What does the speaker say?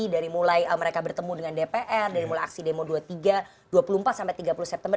dari mulai mereka bertemu dengan dpr dari mulai aksi demo dua puluh tiga dua puluh empat sampai tiga puluh september